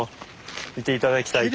見て頂きたいな。